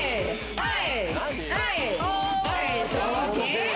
はい！